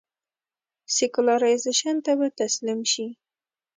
سیکولرایزېشن ته به تسلیم شي.